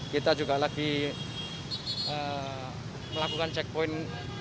kita juga lagi melakukan checkpoint